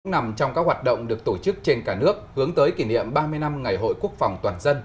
năm trong các hoạt động được tổ chức trên cả nước hướng tới kỷ niệm ba mươi năm ngày hội quốc phòng toàn dân